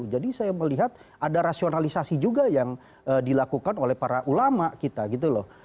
jadi saya melihat ada rasionalisasi juga yang dilakukan oleh para ulama kita gitu loh